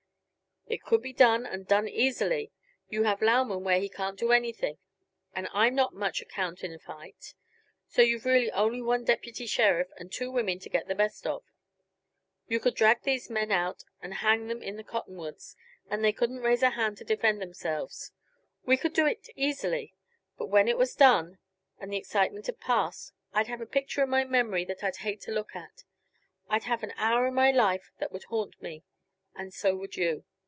"It could be done, and done easily. You have Lauman where he can't do anything, and I'm not of much account in a fight; so you've really only one deputy sheriff and two women to get the best of. You could drag these men out and hang them in the cottonwoods, and they couldn't raise a hand to defend themselves. We could do it easily but when it was done and the excitement had passed I'd have a picture in my memory that I'd hate to look at. I'd have an hour in my life that would haunt me. And so would you.